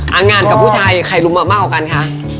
อ่ะว่างานกับผู้ชายใครรุมมากกว่ากันคะ